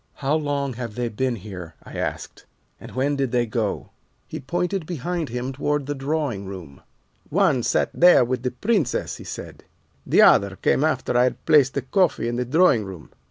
"'How long have they been here?' I asked, 'and when did they go?' "He pointed behind him toward the drawing room. "'One sat there with the Princess,' he said; 'the other came after I had placed the coffee in the drawing room.